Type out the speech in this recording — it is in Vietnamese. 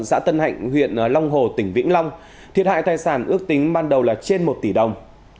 xã tân hạnh huyện long hồ tỉnh vĩnh long thiệt hại tài sản ước tính ban đầu là trên một tỷ đồng